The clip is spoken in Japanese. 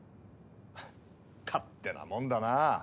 ははっ勝手なもんだな。